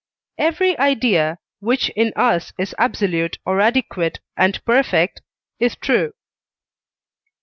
Every idea, which in us is absolute or adequate and perfect, is true.